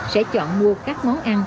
sẽ chọn mua các món ăn